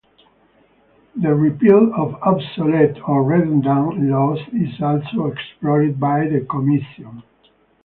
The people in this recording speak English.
The repeal of obsolete or redundant laws is also explored by the Commission.